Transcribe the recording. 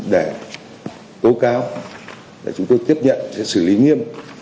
để tố cáo để chúng tôi tiếp nhận sẽ xử lý nghiêm